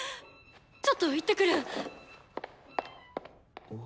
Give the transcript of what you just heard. ちょっと行ってくる！